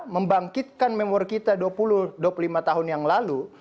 membangkitkan memori kita dua puluh dua puluh lima tahun yang lalu